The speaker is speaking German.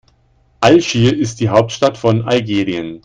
Algier ist die Hauptstadt von Algerien.